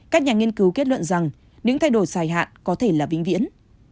các nhà nghiên cứu kết luận rằng những thay đổi dài hạn có thể là vĩnh viễn